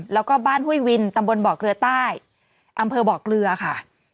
แล้วก็บ้านหุ้ยวินตำบลบอกเรือใต้อำเภอบอกเรือค่ะ